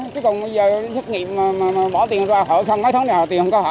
chứ còn bây giờ xét nghiệm mà bỏ tiền ra họ không mấy tháng nào tiền không có họ ăn